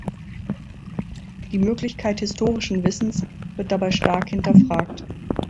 Die Möglichkeit historischen Wissens wird dabei stark hinterfragt.